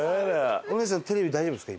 お姉さんテレビ大丈夫ですか？